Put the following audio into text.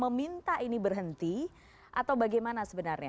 meminta ini berhenti atau bagaimana sebenarnya